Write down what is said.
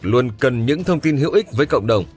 luôn cần những thông tin hữu ích với cộng đồng